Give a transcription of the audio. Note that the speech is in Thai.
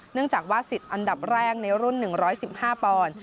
เนื่องจากว่าสิทธิ์อันดับแรกในรุ่น๑๑๕ปอนด์